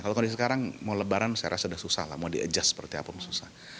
kalau kondisi sekarang mau lebaran saya rasa sudah susah lah mau di adjust seperti apa mau susah